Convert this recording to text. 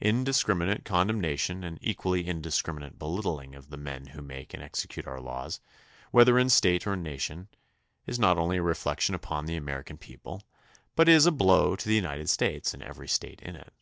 Indiscriminate condemnation and equally indiscriminate belittling of the men who make and execute our laws, whether in State or nation, is not only a reflection upon the American people but is a blow to the United States and every State in it.